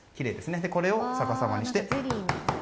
これをさかさまにして。